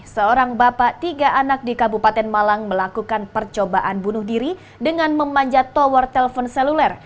seorang bapak tiga anak di kabupaten malang melakukan percobaan bunuh diri dengan memanjat tower telpon seluler